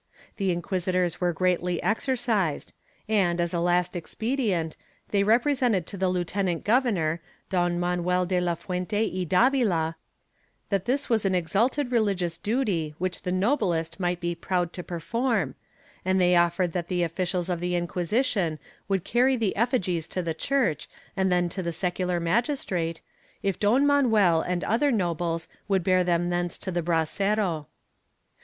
The inquisitors were greatly exercised and, as a last expedient, they represented to the Lieutenant governor, Don Manuel de la Fuente y Davila, that this was an exalted religious duty which the noblest might be proud to perform, and they offered that the offi cials of the Inquisition would carry the effigies to the church and then to the secular magistrate, if Don Manuel and other nobles would bear them thence to the brasero.